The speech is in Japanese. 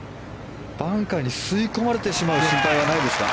バンカーに吸い込まれてしまう心配はないですか？